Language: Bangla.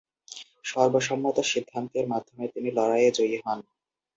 সর্বসম্মত সিদ্ধান্তের মাধ্যমে তিনি লড়াইয়ে জয়ী হন।